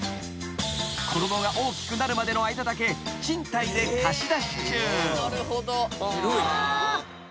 ［子供が大きくなるまでの間だけ賃貸で貸し出し中］